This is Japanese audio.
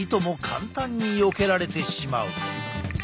簡単によけられてしまう。